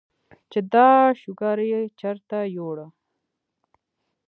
چې دا شوګر ئې چرته يوړۀ ؟